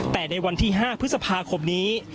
แต่ในวันที่๕พฤษภาคมนี้